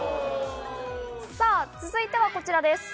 続いてはこちらです。